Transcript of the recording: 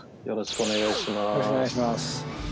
よろしくお願いします。